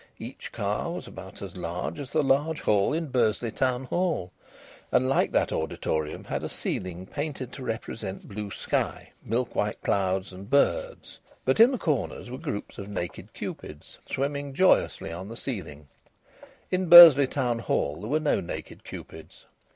Each car was about as large as the large hall in Bursley Town Hall, and, like that auditorium, had a ceiling painted to represent blue sky, milk white clouds, and birds. But in the corners were groups of naked Cupids, swimming joyously on the ceiling; in Bursley Town Hall there were no naked Cupids.